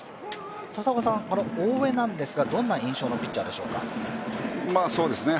大江なんですがどんな印象のピッチャーでしょうか？